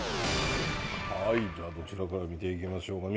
はいじゃあどちらから見ていきましょうか。